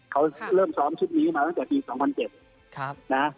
เขาเริ่มซ้อมชุดนี้มาตั้งแต่ปี๒๐๐๗นะ